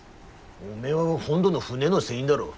おめえは本土の船の船員だろ。